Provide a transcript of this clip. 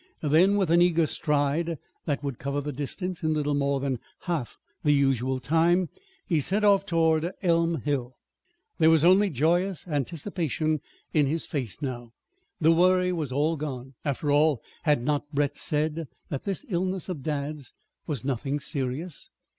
Then, with an eager stride that would cover the distance in little more than half the usual time, he set off toward Elm Hill. There was only joyous anticipation in his face now. The worry was all gone. After all, had not Brett said that this illness of dad's was nothing serious?